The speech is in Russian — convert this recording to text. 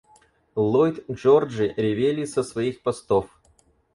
Ллойд-Джорджи ревели со своих постов!